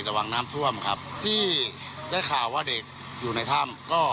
หวังน้ำท่วมครับที่ได้ข่าวว่าเด็กอยู่ในถ้ำก็